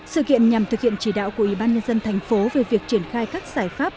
sự kiện nhằm thực hiện chỉ đạo của ủy ban nhân dân thành phố về việc triển khai các giải pháp